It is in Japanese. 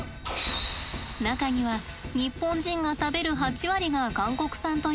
中には日本人が食べる８割が韓国産というものが入っています。